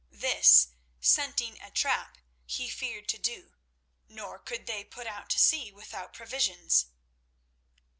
This, scenting a trap, he feared to do, nor could they put out to sea without provisions.